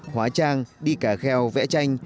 hóa trang đi cà kheo vẽ tranh